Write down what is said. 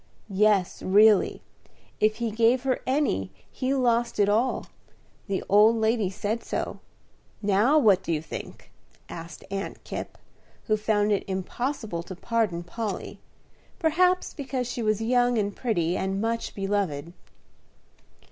"Yes, really. If he gave her any he lost it all; the old lady said so. Now what do you think?" asked Aunt Kipp, who found it impossible to pardon Polly, perhaps because she was young, and pretty, and much beloved.